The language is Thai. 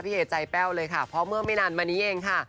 เอใจแป้วเลยค่ะเพราะเมื่อไม่นานมานี้เองค่ะ